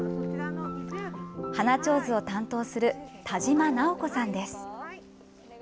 花ちょうずを担当する田島直子さんです。